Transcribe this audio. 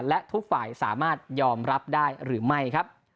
และทุกฝ่ายสามารถยอมรับได้หรือไม่ครับ